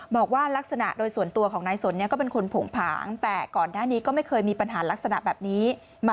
บอกว่ารักษณะโดยส่วนตัวของนายสนนี่